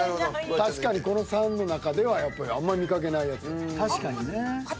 確かにこの３の中ではあんま見かけないやつだから。